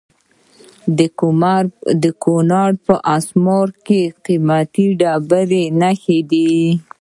د کونړ په اسمار کې د قیمتي ډبرو نښې دي.